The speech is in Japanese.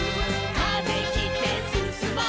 「風切ってすすもう」